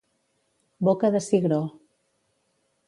Boca de cigró.